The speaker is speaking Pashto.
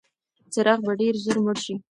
څراغ به ډېر ژر مړ شي.